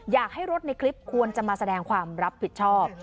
อยากให้รถในคลิปควรจะมาแสดงความรับผิดชอบ